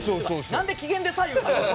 なんで機嫌で左右される。